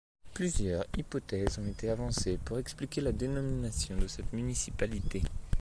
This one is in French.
Plusieurs hypothèses ont été avancées pour expliquer la dénomination de cette municipalité.